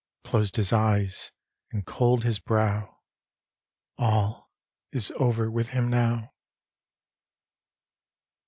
Closed his eyes, and cold his brow ŌĆö All is over with him now